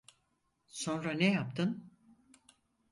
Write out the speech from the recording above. Sonra ne yaptın?